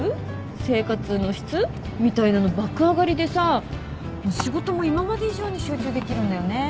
生活の質？みたいなの爆上がりでさ仕事も今まで以上に集中できるんだよね。